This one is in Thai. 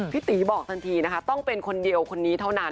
พี่ตีบอกทันทีนะคะต้องเป็นคนเดียวคนนี้เท่านั้น